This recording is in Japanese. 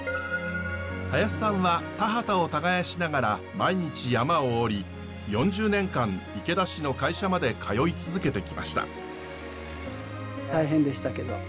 林さんは田畑を耕しながら毎日山を下り４０年間池田市の会社まで通い続けてきました。